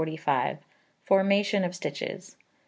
Formation of Stitches.